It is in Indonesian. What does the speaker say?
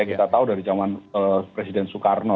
kita tahu dari zaman presiden soekarno